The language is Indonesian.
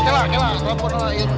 kela kela telepon